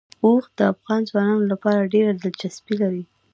اوښ د افغان ځوانانو لپاره ډېره دلچسپي لري.